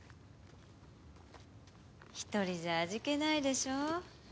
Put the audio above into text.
一人じゃ味気ないでしょ？